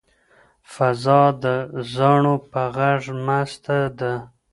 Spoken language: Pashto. فضا د زاڼو په غږ مسته ده.